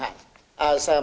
mặt hàng xăng e năm